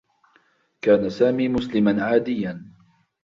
كان سامي مسلما عاديّا.